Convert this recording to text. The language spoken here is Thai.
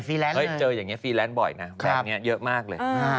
เจออย่างนี้ฟรีแลนซ์บ่อยนะแบบนี้เยอะมากเลย